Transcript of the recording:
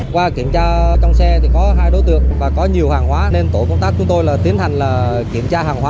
qua kiểm tra trên xe tổ công tác phát hiện có hai mươi bảy thùng cotton mang nhãn hiệu sữa vietnam milk ông thọ